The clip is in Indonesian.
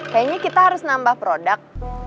kayaknya kita harus nambah produk